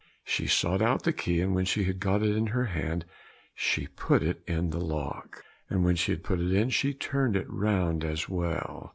She sought out the key, and when she had got it in her hand, she put it in the lock, and when she had put it in, she turned it round as well.